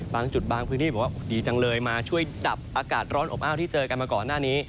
บางจุดบางพื้นที่บอกว่าดีจังเลยมาช่วยจับอากาศร้อนอบอ้าวที่เจอกันมาก่อนหน้านี้